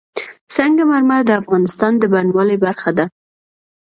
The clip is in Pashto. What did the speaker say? سنگ مرمر د افغانستان د بڼوالۍ برخه ده.